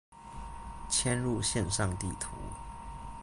嵌入線上地圖